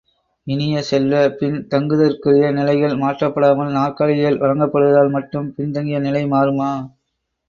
இனிய செல்வ, பின் தங்கியதற்குரிய நிலைகள் மாற்றப்படாமல் நாற்காலிகள் வழங்கப்படுவதால் மட்டும் பின்தங்கிய நிலை மாறுமா?